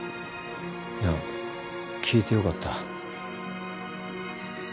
いや聞いて良かった。